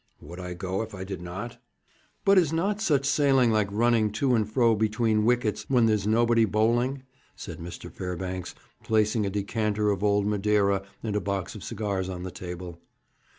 'Would I go if I did not?' 'But is not such sailing like running to and fro between wickets when there's nobody bowling?' said Mr. Fairbanks, placing a decanter of old Madeira and a box of cigars on the table.